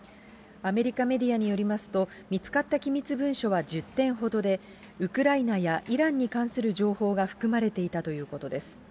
アメリカメディアによりますと、見つかった機密文書は１０点ほどで、ウクライナやイランに関する情報が含まれていたということです。